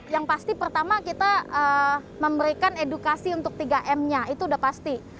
yang pasti pertama kita memberikan edukasi untuk tiga m nya itu udah pasti